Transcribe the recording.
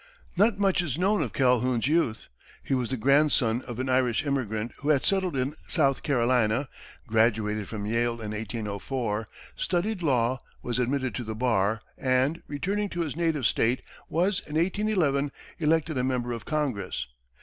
Not much is known of Calhoun's youth. He was the grandson of an Irish immigrant who had settled in South Carolina, graduated from Yale in 1804, studied law, was admitted to the bar, and, returning to his native state, was, in 1811, elected a member of Congress.